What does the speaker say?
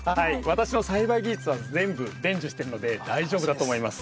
私の栽培技術は全部伝授してるので大丈夫だと思います。